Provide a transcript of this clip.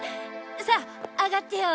さあ上がってよ。